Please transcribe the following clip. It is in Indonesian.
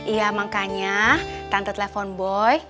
iya makanya tante telepon boy